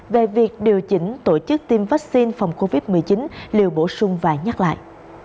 về việc điều chỉnh tổ chức tiêm vaccine phòng covid một mươi chín liều bổ sung và nhắc lại